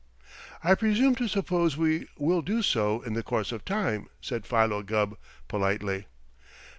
"I presume to suppose we will do so in the course of time," said Philo Gubb politely.